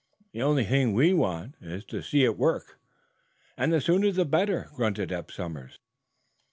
"The only thing we want is to see it work." "And the sooner the better," grunted Eph Somers.